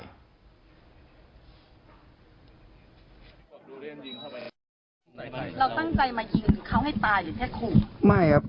เราตั้งใจมายิงเขาให้ตายหรือแค่ขู่